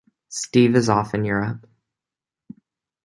Steve is off in Europe.